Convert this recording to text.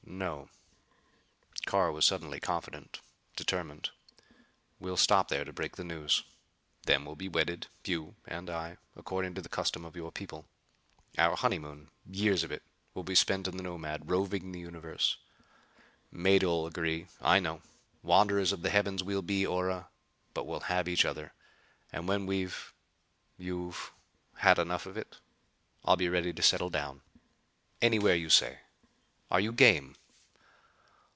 "No." Carr was suddenly confident; determined. "We'll stop there to break the news. Then we'll be wedded, you and I, according to the custom of your people. Our honeymoon years of it will be spent in the Nomad, roving the universe. Mado'll agree, I know. Wanderers of the heavens we'll be, Ora. But we'll have each other; and when we've you've had enough of it, I'll be ready to settle down. Anywhere you say. Are you game?"